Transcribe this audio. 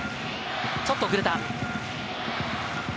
ちょっと遅れた。